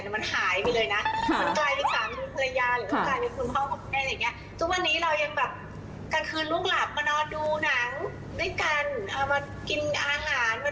มันกลายเป็นสามรุ่นภรรยาหรือมันกลายเป็นคุณพ่อคุณแม่